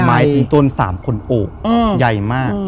ไม้ทั้งต้น๓คนโอบใหญ่มาก